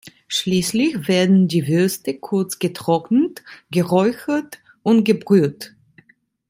Schließlich werden die Würste kurz getrocknet, geräuchert und gebrüht.